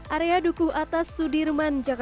area dukuh atas sudirman jakarta